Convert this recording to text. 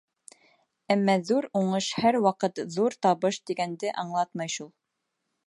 Әммә ҙур уңыш һәр ваҡыт ҙур табыш тигәнде аңлатмай шул.